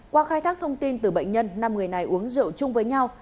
qua khai thác thông tin từ bệnh nhân năm người này uống rượu chung với nhau